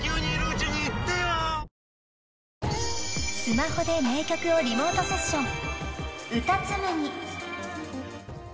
［スマホで名曲をリモートセッション］